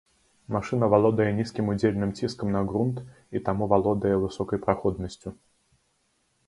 Машына валодае нізкім удзельным ціскам на грунт і таму валодае высокай праходнасцю.